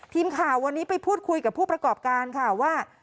ทีมข่าววันนี้ไปพูดคุยกับผู้ประกอบการค่ะว่า